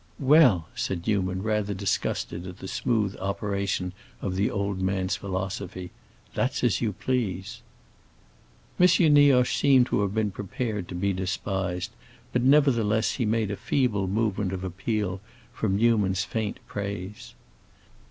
"Well," said Newman, rather disgusted at the smooth operation of the old man's philosophy, "that's as you please." M. Nioche seemed to have been prepared to be despised but nevertheless he made a feeble movement of appeal from Newman's faint praise.